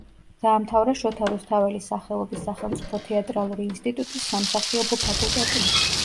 დაამთავრა შოთა რუსთაველის სახელობის სახელმწიფო თეატრალური ინსტიტუტის სამსახიობო ფაკულტეტი.